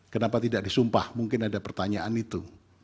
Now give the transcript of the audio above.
kenapa tidak disumpah mungkin ada pertanyaan itu